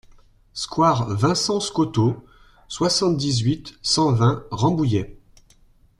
Square Vincent Scotto, soixante-dix-huit, cent vingt Rambouillet